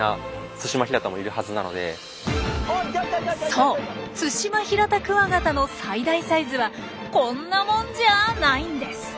そうツシマヒラタクワガタの最大サイズはこんなもんじゃあないんです。